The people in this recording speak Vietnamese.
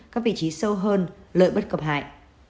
các vị trí sâu hơn lợi bất cập hại